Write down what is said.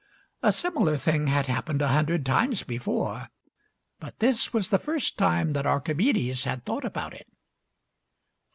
A similar thing had happened a hundred times before, but this was the first time that Archimedes had thought about it.